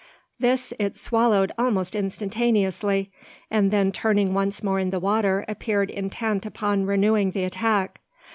This it swallowed almost instantaneously; and then turning once more in the water appeared intent upon renewing the attack.